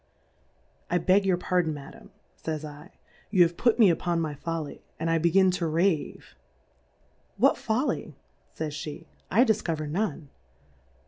I beg your Pardon, Madam, fays /, you have put me upon my Folly, and I begin to Rave : What Folly, fays fie, I difcover none